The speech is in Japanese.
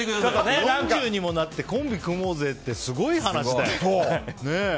４０にもなってコンビ組もうぜってすごい話だよ。